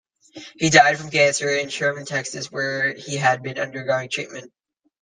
He died from cancer in Sherman, Texas where he had been undergoing treatment.